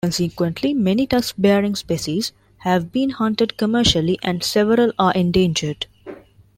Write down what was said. Consequently, many tusk-bearing species have been hunted commercially and several are endangered.